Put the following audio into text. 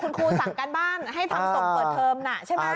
คุณครูสั่งการบ้านให้ทำส่งเปิดเทอมน่ะใช่ไหม